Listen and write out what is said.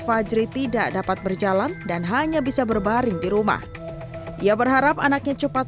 fajri tidak dapat berjalan dan hanya bisa berbaring di rumah ia berharap anaknya cepat